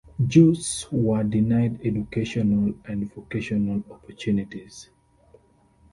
Jews were denied educational and vocational opportunities.